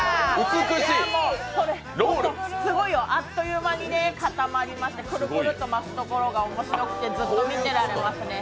これすごいよ、あっという間に固まりまして、くるくるっと巻くところがおもしろくてずっと見てられますね。